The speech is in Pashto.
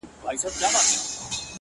صادق چلند د اړیکو عمر زیاتوي